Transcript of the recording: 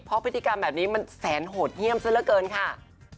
เพราะพฤติกรรมแบบนี้มันแสนโหดเยี่ยมซะละเกินค่ะ